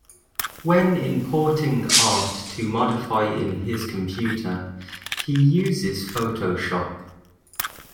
When importing art to modify in his computer, he uses Photoshop.